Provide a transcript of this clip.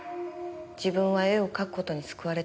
自分は絵を描くことに救われたって。